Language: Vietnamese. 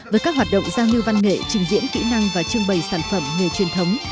với các hoạt động giao lưu văn nghệ trình diễn kỹ năng và trưng bày sản phẩm nghề truyền thống